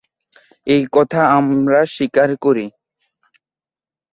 এ কথা আমরা স্বীকার করি।